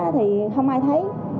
thì không ai thấy